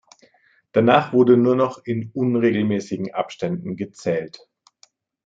Danach wurde nur noch in unregelmäßigen Abständen gezählt.